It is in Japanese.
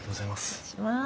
失礼します。